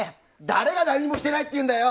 誰が何もしてないって言うんだよ！